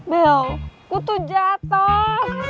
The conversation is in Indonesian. bel gue tuh jatoh